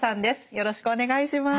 よろしくお願いします。